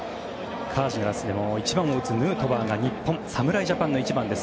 カージナルスでも１番を打つヌートバーが日本、侍ジャパンの１番です。